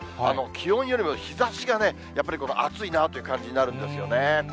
気温よりも日ざしがね、やっぱり暑いなという感じになるんですよね。